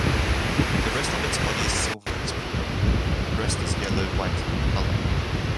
The rest of its body is silvery-pink, and the breast is yellow-white in color.